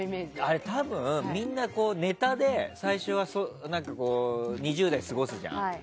多分、みんなネタで最初は２０代過ごすじゃん。